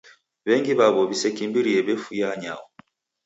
W'engi w'aw'o w'isekimbirie w'efuya anyaho.